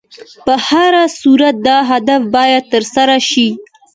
په هر صورت دا هدف باید تر سره شي.